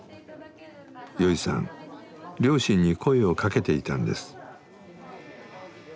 両親に声をかけていたんです。